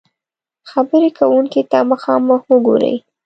-خبرې کونکي ته مخامخ وګورئ